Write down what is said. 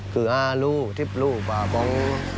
คืออ่ารู้ทริปรู้ป่าปอง